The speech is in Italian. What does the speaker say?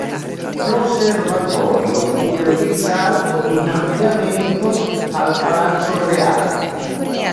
L'osservatorio fu realizzato in ampliamento al Palazzo Reale.